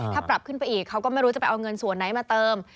ถ้าปรับขึ้นไปอีกเขาก็ไม่รู้จะไปเอาเงินส่วนไหนมาเติม